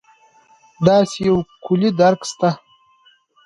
داسې یو کُلي درک شته.